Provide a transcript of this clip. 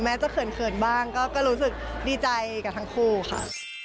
จะเขินบ้างก็รู้สึกดีใจกับทั้งคู่ค่ะ